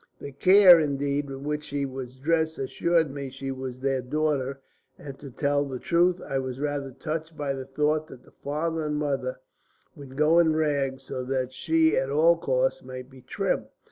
The care, indeed, with which she was dressed assured me she was their daughter, and to tell the truth, I was rather touched by the thought that the father and mother would go in rags so that she at all costs might be trim.